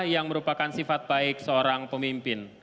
yang merupakan sifat baik seorang pemimpin